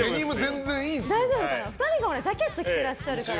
２人ジャケットを着てらっしゃるから。